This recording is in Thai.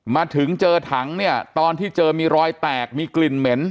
มาถึงเจอถังเนี่ยตอนที่เจอมีรอยแตกมีกลิ่นเหม็น